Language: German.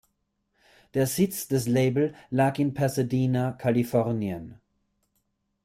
Der Sitz des Label lag in Pasadena, Kalifornien.